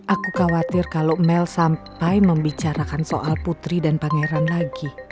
aku khawatir kalau mel sampai membicarakan soal putri dan pangeran lagi